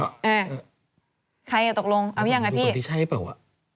เอ๊ะใครอ่ะตกลงเอายังไงพี่ดูก่อนที่ใช่เปล่าอ่ะ